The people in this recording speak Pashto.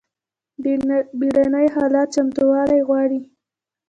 بیړني حالات چمتووالی غواړي